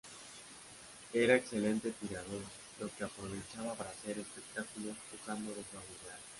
Era excelente tirador, lo que aprovechaba para hacer espectáculos usando de su habilidad.